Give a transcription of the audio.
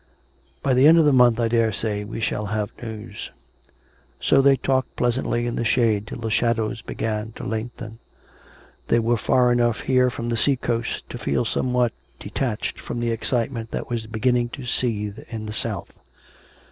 By the end of the month, I daresay, we shall have news." 884, COME RACK! COME ROPE! So they talked pleasantly in the shade till the shadows began to lengthen. They were far enough here from the sea coast to feel somewhat detached from the excitement that was beginning to seethe in the south.